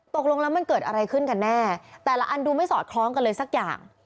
ตกลงแล้วมันเกิดอะไรขึ้นกันแน่แต่ละอันดูไม่สอดคล้องกันเลยสักอย่าง